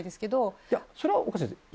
いやそれはおかしいですよ。